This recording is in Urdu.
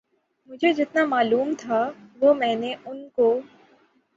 مجھے جتنا معلوم تھا وہ میں نے ان کو